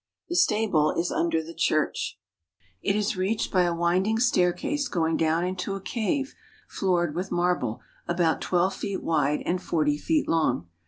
The stable is under the church. It is reached by a winding staircase going down into a cave floored with marble about twelve feet wide and forty feet long.